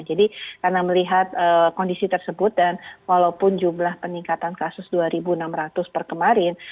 karena melihat kondisi tersebut dan walaupun jumlah peningkatan kasus dua enam ratus per kemarin